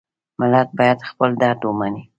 ملت باید خپل درد ومني.